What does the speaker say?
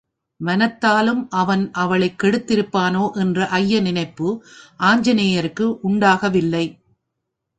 மனத்தாலும் அவன் அவளைக் கெடுத்திருப்பானோ என்ற ஐய நினைப்பு ஆஞ்சநேயருக்கு உண்டாகவில்லை.